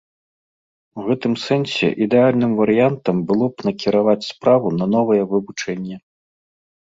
У гэтым сэнсе ідэальным варыянтам было б накіраваць справу на новае вывучэнне.